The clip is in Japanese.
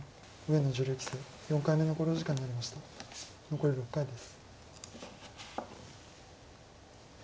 残り６回です。